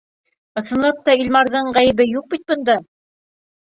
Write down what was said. Ысынлап та, Илмарҙың ғәйебе юҡ бит бында.